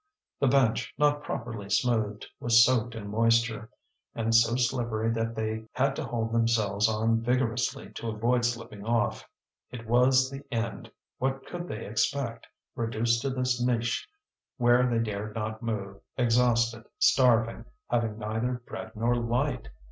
The bench, not properly smoothed, was soaked in moisture, and so slippery that they had to hold themselves on vigorously to avoid slipping off. It was the end; what could they expect, reduced to this niche where they dared not move, exhausted, starving, having neither bread nor light?